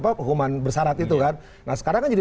apa hukuman bersarat itu kan nah sekarang kan jadi